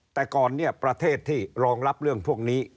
แต่ก่อนเนี่ยประเทศที่รองรับเรื่องพวกนี้